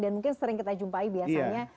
dan mungkin sering kita jumpai biasanya